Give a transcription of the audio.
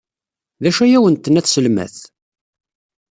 D acu ay awent-tenna tselmadt?